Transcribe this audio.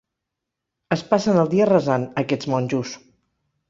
Es passen el dia resant, aquests monjos.